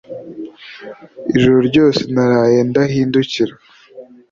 Ijoro ryose naraye ndahindukira